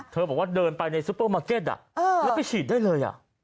บอกว่าเดินไปในซูเปอร์มาร์เก็ตแล้วไปฉีดได้เลย